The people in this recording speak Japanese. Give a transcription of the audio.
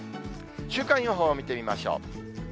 週間予報を見てみましょう。